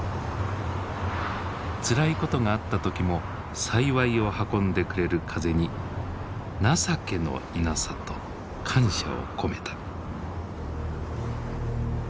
つらいことがあった時も幸いを運んでくれる風に「情けのイナサ」と感謝を込めた。